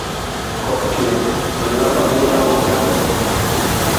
Koth chwe kelna mabul aumrago